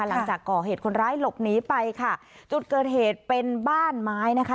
หลังจากก่อเหตุคนร้ายหลบหนีไปค่ะจุดเกิดเหตุเป็นบ้านไม้นะคะ